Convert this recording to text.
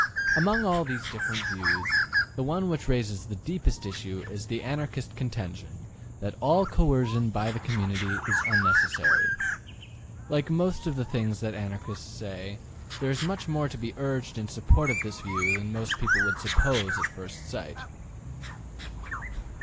Among all these different views, the one which raises the deepest issue is the Anarchist contention that all coercion by the community is unnecessary. Like most of the things that Anarchists say, there is much more to be urged in support of this view than most people would suppose at first sight.